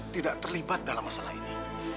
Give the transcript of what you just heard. tidak terlibat dalam masalah ini